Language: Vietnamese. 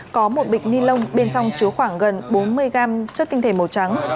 có một bịch ni lông bên trong chứa khoảng gần bốn mươi g chất tinh thể màu trắng